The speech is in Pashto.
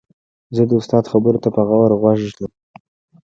زه د استاد خبرو ته په غور غوږ ږدم.